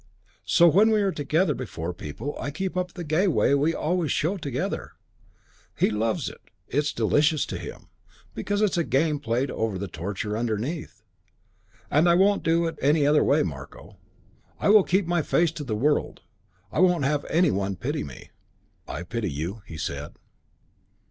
So when we are together before people I keep up the gay way we always show together. He loves it; it's delicious to him, because it's a game played over the torture underneath. And I won't do any other way, Marko. I will keep my face to the world I won't have any one pity me." "I pity you," he had said.